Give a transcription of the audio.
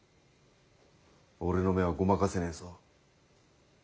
俺の目はごまかせねえぞ。